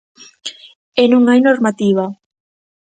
E non hai normativa.